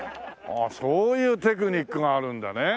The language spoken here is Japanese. そういうテクニックがあるんだね。